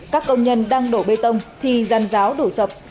các công nhân đang đổ bê tông thì răn ráo đổ sập